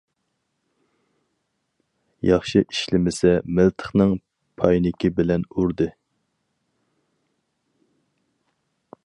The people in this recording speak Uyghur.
ياخشى ئىشلىمىسە مىلتىقنىڭ پاينىكى بىلەن ئۇردى.